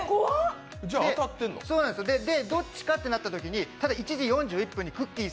どっちかってなったときに、１時４１分にくっきー！